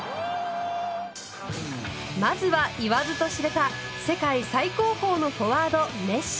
まずは言わずと知れた世界最高峰のフォワードメッシ。